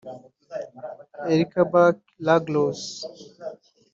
Erica Barks-Ruggles